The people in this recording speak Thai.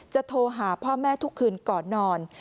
โทรหาพ่อแม่ทุกคืนก่อนนอน